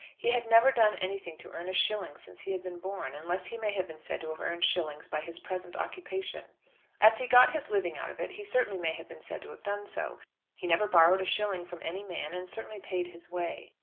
He had never done anything to earn a shilling since he had been born, unless he may have been said to have earned shillings by his present occupation. As he got his living out of it, he certainly may have been said to have done so. He never borrowed a shilling from any man, and certainly paid his way.